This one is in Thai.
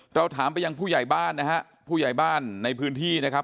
เราถามไปยังผู้ใหญ่บ้านนะฮะผู้ใหญ่บ้านในพื้นที่นะครับ